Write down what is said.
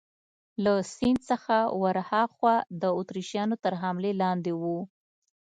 له سیند څخه ورهاخوا د اتریشیانو تر حملې لاندې وو.